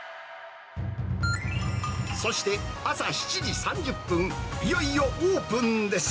そして朝７時３０分、いよいよオープンです。